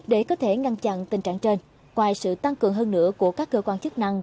để có thể ngăn chặn tình trạng trên ngoài sự tăng cường hơn nữa của các cơ quan chức năng